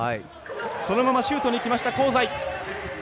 そのままシュートにいきました香西。